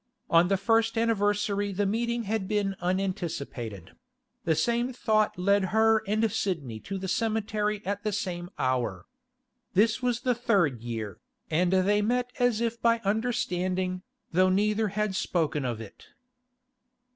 On the first anniversary the meeting had been unanticipated; the same thought led her and Sidney to the cemetery at the same hour. This was the third year, and they met as if by understanding, though neither had spoken of it.